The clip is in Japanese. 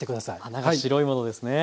穴が白いものですね。